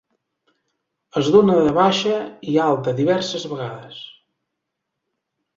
Es dóna de baixa i alta diverses vegades.